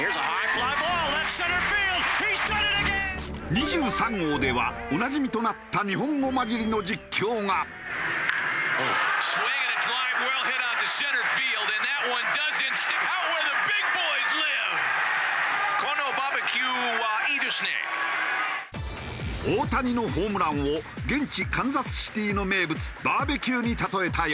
２３号ではおなじみとなった大谷のホームランを現地カンザスシティの名物バーベキューに例えたようだ。